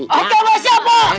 oke mbak siapa